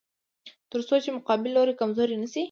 تر څو چې مقابل لوری کمزوری نشي.